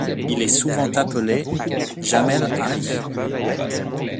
Il est souvent appelé Jamel Ari.